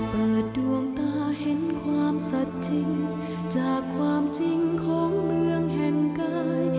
เปิดดวงตาเห็นความสัดจริงจากความจริงของเมืองแห่งกาย